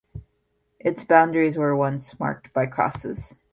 Its boundaries were once marked by crosses.